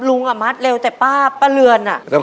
อ่ะมัดเร็วแต่ป้าป้าเรือนอ่ะ